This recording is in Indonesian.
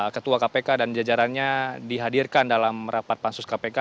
ketua kpk dan jajarannya dihadirkan dalam rapat pansus kpk